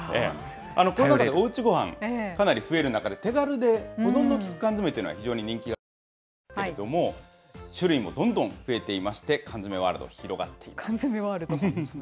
コロナ禍でおうちごはん、かなり増える中で、手軽で保存の効く缶詰というのは非常に人気が高いと思うんですけれども、種類もどんどん増えていまして、缶詰ワ缶詰ワールド。